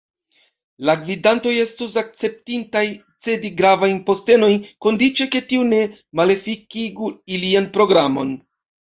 La gvidantoj estus akceptintaj cedi gravajn postenojn, kondiĉe ke tio ne malefikigu ilian programon.